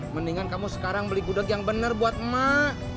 mendingan kamu sekarang beli gudeg yang benar buat emak